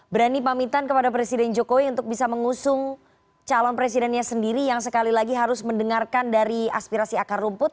berani pamitan kepada presiden jokowi untuk bisa mengusung calon presidennya sendiri yang sekali lagi harus mendengarkan dari aspirasi akar rumput